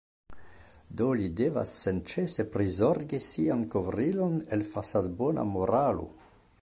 Do li devas senĉese prizorgi sian kovrilon el fasadbona moralo.